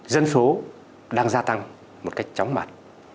dân số đang gia tăng một cách chóng mặt